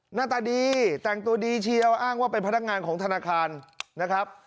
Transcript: หน้าตาดีแต่งตัวดีเชียวอ้างว่าเป็นพนักงานของธนาคารนะครับ